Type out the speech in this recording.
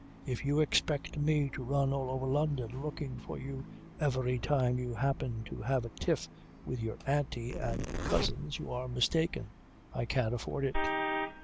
If you expect me to run all over London looking for you every time you happen to have a tiff with your auntie and cousins you are mistaken. I can't afford it."